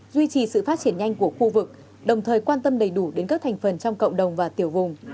duy trì sự phát triển nhanh của khu vực đồng thời quan tâm đầy đủ đến các thành phần trong cộng đồng và tiểu vùng